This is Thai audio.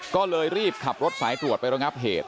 ก็เลยรีบขับรถสายตรวจไประงับเหตุ